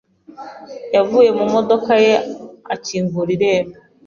yavuye mu modoka ye akingura irembo.